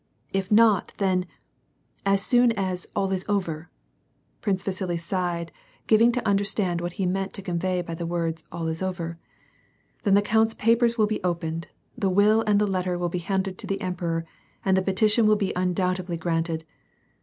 If not then, as 86 ^V^J^ AND PEACE. soon as all is over "— Prince Vasili sighed, giving to under stand what he meant to convey by the words " all is over" —" then the count's papers will be opened, the will and the letter will be handed to the emperor, and the petition will be un doubtedly granted.